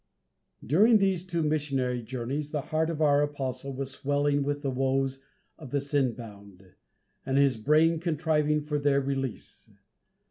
During these two missionary journeys the heart of our apostle was swelling with the woes of the sin bound, and his brain contriving for their release.